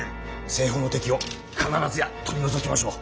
西方の敵を必ずや取り除きましょう。